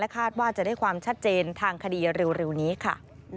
คาดว่าจะได้ความชัดเจนทางคดีเร็วนี้ค่ะ